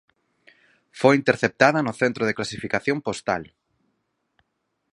Foi interceptada no centro de clasificación postal.